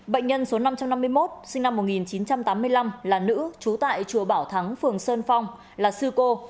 bệnh nhân số năm trăm năm mươi một sinh năm một nghìn chín trăm tám mươi năm là nữ trú tại chùa bảo thắng phường sơn phong là sư cô